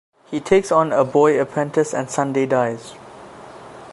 He takes on a boy apprentice and Sunday dies.